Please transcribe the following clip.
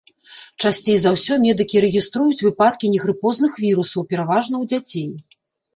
Часцей за ўсё медыкі рэгіструюць выпадкі негрыпозных вірусаў, пераважна ў дзяцей.